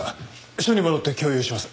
署に戻って共有します。